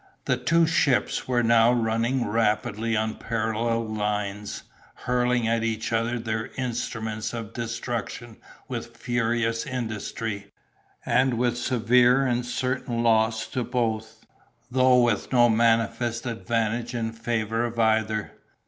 The two ships were now running rapidly on parallel lines, hurling at each other their instruments of destruction with furious industry, and with severe and certain loss to both, though with no manifest advantage in favor of either.